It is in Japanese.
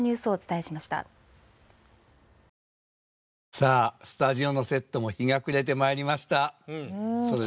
さあスタジオのセットも日が暮れてまいりました。